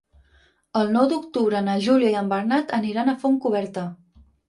El nou d'octubre na Júlia i en Bernat aniran a Fontcoberta.